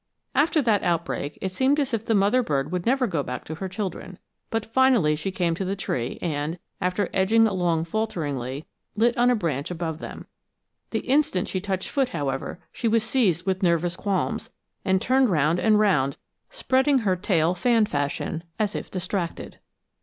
After that outbreak, it seemed as if the mother bird would never go back to her children; but finally she came to the tree and, after edging along falteringly, lit on a branch above them. The instant she touched foot, however, she was seized with nervous qualms and turned round and round, spreading her tail fan fashion, as if distracted.